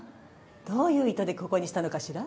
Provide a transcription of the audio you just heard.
どういう意図でここにしたのかしら？